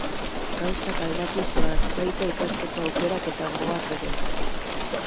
Gauzak aldatuz doaz, baita ikasteko aukerak eta gogoak ere.